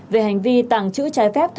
về hành vi tàng trữ trái phép